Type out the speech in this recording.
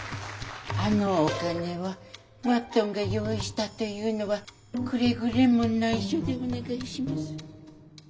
あのお金はマットンが用意したっていうのはくれぐれも内緒でお願いします。